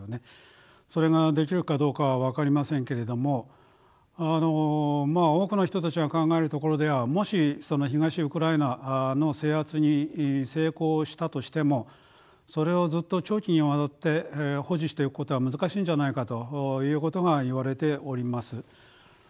それができるかどうかは分かりませんけれども多くの人たちが考えるところではもしその東ウクライナの制圧に成功したとしてもそれをずっと長期にわたって保持していくことは難しいんじゃないかということがいわれております。